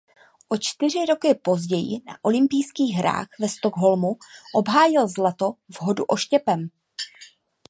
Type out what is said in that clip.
O čtyři roky později na olympijských hrách ve Stockholmu obhájil zlato v hodu oštěpem.